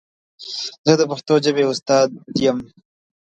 زه د پښتو ژبې استاد یم.